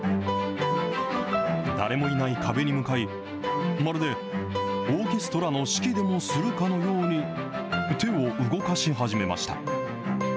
誰もいない壁に向かい、まるでオーケストラの指揮でもするかのように、手を動かし始めました。